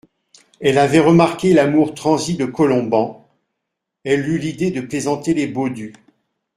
Elle avait remarqué l'amour transi de Colomban, elle eut l'idée de plaisanter les Baudu.